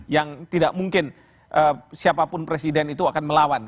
yang tidak mungkin siapapun presiden itu akan melawan